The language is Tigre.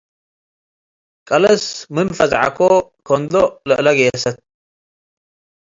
ቀለስ ምን ፈዝዐኮ - ከንዶእ ለእለ ጌሰት፣